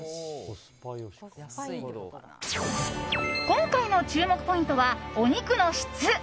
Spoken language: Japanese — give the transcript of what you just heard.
今回の注目ポイントは、お肉の質。